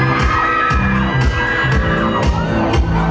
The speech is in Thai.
ไม่ต้องถามไม่ต้องถาม